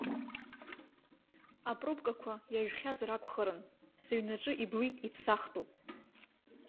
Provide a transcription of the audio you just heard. Апробкақәа, иажәхьазар акәхарын, сыҩнаҿы, иблит, иԥсахтәуп.